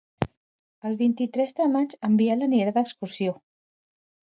El vint-i-tres de maig en Biel anirà d'excursió.